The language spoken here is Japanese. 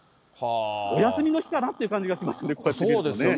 お休みの日かなという感じがしまそうですよね、